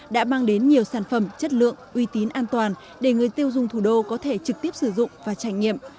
đã mang đến nhiều sản phẩm chất lượng uy tín an toàn để người tiêu dùng thủ đô có thể trực tiếp sử dụng và trải nghiệm